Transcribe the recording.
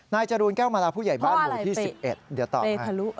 นายจรูนแก้วมาราผู้ใหญ่บ้านหมู่ที่๑๑เดี๋ยวตอบให้เพราะอะไรเปรย์ทะลุ